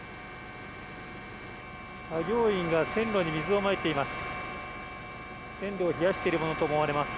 作業員が線路に水を撒いています。